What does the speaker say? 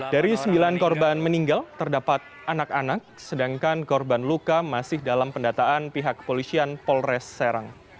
dari sembilan korban meninggal terdapat anak anak sedangkan korban luka masih dalam pendataan pihak kepolisian polres serang